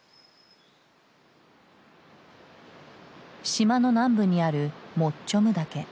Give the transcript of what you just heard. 島の南部にあるモッチョム岳。